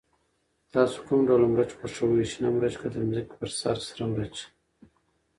تاسو کوم ډول مرچ خوښوئ، شنه مرچ که د ځمکې په سر سره مرچ؟